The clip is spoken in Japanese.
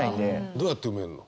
どうやって埋めんの？